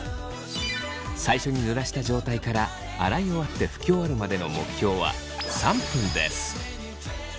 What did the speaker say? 最初にぬらした状態から洗い終わって拭き終わるまでの目標は３分です。